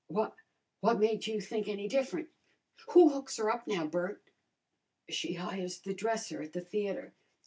"Why, what made you think any different?" "Who hooks her up now, Bert?" "She hires the dresser at the theatre."